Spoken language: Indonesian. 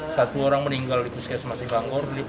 satu orang meninggal di puskesmas silanggor